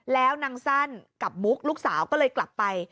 แล้วนางสั้นกับมุกลูกสาวก็เลยกลับไป